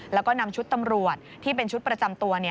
แล้วก็นำชุดตำรวจที่เป็นชุดประจำตัว